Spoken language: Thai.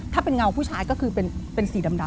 ถ้าเป็นเงาผู้ชายก็คือเป็นสีดำ